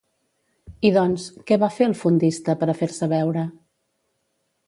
I doncs, què va fer el fondista per a fer-se veure?